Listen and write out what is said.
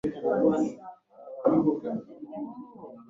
Maneno yako ni mazuri